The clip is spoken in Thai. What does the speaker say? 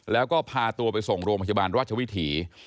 แล้วก็พาตัวไปส่งโรงพยาบาลราชวิถี